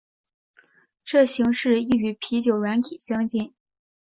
这形式亦与啤酒软体相近。